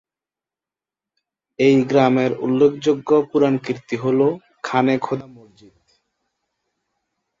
এই গ্রামের উল্লেখযোগ্য পুরাকীর্তি হল খানে খোদা মসজিদ।